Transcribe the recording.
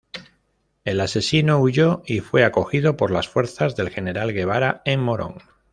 El asesino huyó y fue acogido por las fuerzas del General Guevara en Morón.